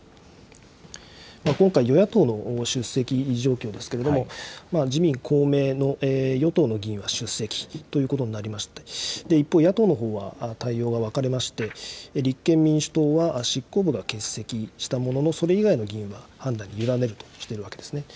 今回、与野党の出席状況ですけれども、自民、公明の与党の議員は出席ということになりまして、一方、野党のほうは対応が分かれまして、立憲民主党は執行部が欠席したものの、それ以外の議員は判断に委ねるとしているわけですね。